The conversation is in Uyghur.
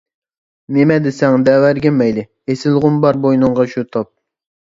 نېمە دېسەڭ دەۋەرگىن مەيلى، ئېسىلغۇم بار بوينۇڭغا شۇ تاپ.